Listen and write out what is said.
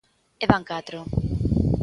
E van catro.